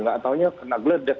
gak taunya kena gledek